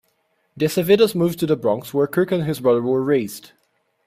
The Acevedos moved to the Bronx, where Kirk and his brother were raised.